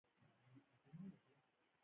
علمي او هنري کارونه د دوی په غاړه وو.